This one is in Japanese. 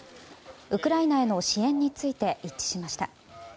ウクライナへの支援について一致しました。